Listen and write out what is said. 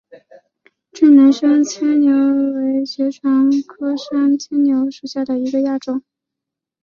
滇南山牵牛为爵床科山牵牛属下的一个亚种。